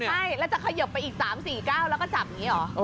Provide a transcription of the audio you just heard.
ใช่แล้วจะขยบไปอีก๓๔๙แล้วก็จับอย่างนี้เหรอ